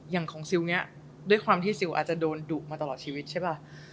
อย่างของซิลเนี่ยด้วยความที่ซิลอาจจะโดนดุมาตลอดชีวิตใช่ป่ะ